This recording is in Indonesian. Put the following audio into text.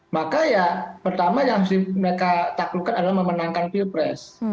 maka ya pertama yang harus mereka taklukkan adalah memenangkan pilpres